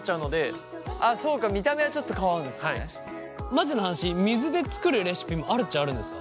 マジな話水で作るレシピもあるっちゃあるんですか？